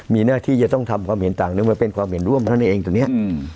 มีหน้าที่จะต้องทำความเห็นต่างนึกว่าเป็นความเห็นร่วมเท่านั้นเองตรงเนี้ยอืม